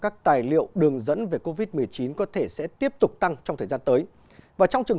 các tài liệu đường dẫn về covid một mươi chín có thể sẽ tiếp tục tăng trong thời gian tới và trong trường